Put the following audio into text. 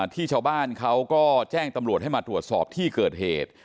ที่ชาวบ้านเขาก็แจ้งตำรวจให้มาตรวจสอบที่เกิดเหตุ